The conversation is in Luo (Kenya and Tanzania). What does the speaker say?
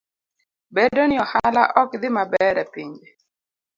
Bedo ni ohala ok dhi maber e pinje